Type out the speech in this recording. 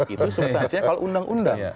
itu substansinya kalau undang undang